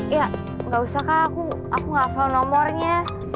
iya nggak usah kak aku nggak tahu nomornya